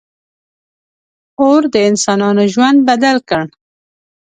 • اور د انسانانو ژوند بدل کړ.